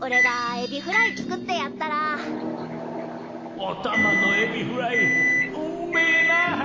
おたまのエビフライうんめえな！